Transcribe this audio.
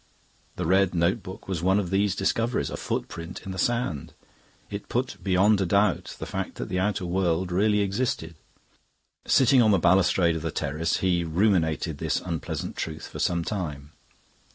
The red notebook was one of these discoveries, a footprint in the sand. It put beyond a doubt the fact that the outer world really existed. Sitting on the balustrade of the terrace, he ruminated this unpleasant truth for some time.